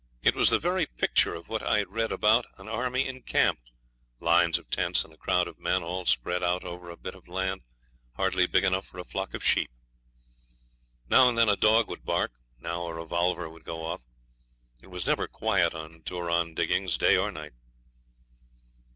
It was the very picture of what I'd read about an army in camp lines of tents and a crowd of men all spread out over a bit of land hardly big enough for a flock of sheep. Now and then a dog would bark now a revolver would go off. It was never quiet on Turon diggings, day or night.